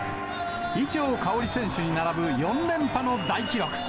伊調馨選手に並ぶ４連覇の大記録。